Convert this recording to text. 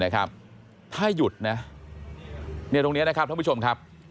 ถ้าหยุดนะตรงนี้นะครับท่านผู้ชมครับ